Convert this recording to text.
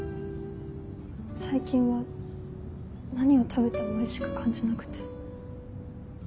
最近は何を食べてもおいしく感じなくて。